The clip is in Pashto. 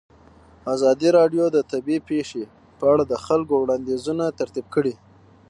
ازادي راډیو د طبیعي پېښې په اړه د خلکو وړاندیزونه ترتیب کړي.